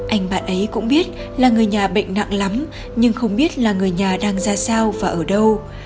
anh bạn ấy cũng biết là người nhà bệnh nặng lắm nhưng không biết là người nhà đang ra sao và ở đâu